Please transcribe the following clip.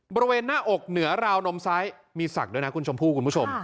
บริเวณหน้าอกเหนือราวนมซ้ายมีศักดิ์ด้วยนะคุณชมพู่คุณผู้ชม